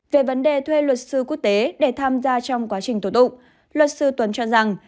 về vấn đề thuê luật sư quốc tế để tham gia trong quá trình tổ tụng luật sư tuấn cho rằng